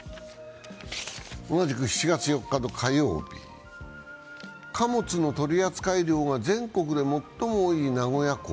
同じく７月４日の火曜日貨物の取り扱い量が全国で最も多い名古屋港。